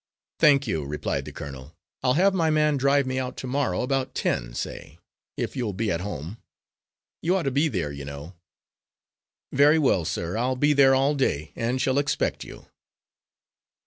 "Thank you," replied the colonel, "I'll have my man drive me out to morrow about ten, say; if you'll be at home? You ought to be there, you know." "Very well, sir, I'll be there all day, and shall expect you."